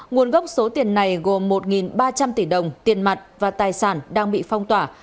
nguồn gốc số tiền này gồm một ba trăm linh tỷ đồng tiền mặt và tài sản đang bị phong tỏa